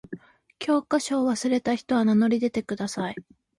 教科書を忘れた人は名乗り出てください。